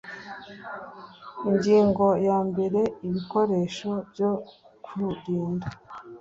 Ingingo ya mbere Ibikoresho byo kurinda